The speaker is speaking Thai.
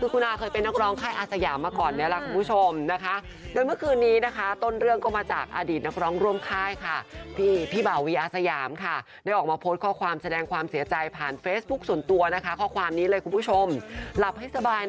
คุณอาเคยเป็นนักร้องไข้อาสยามมาก่อนเนี่ยแหละคุณผู้ชมนะคะ